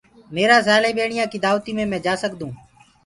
ميرآ ساݪیٻيڻيآن ڪي دآوتي مي مينٚ جآ سگھدونٚ۔